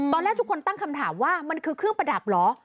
ตอนแรกทุกคนตั้งคำถามว่ามันคือเครื่องประดับเหรอ